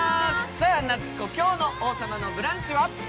さあ夏子、今日の「王様のブランチ」は？